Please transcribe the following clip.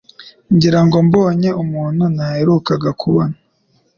Ngira ngo mbonye umuntu ntaherukaga kubona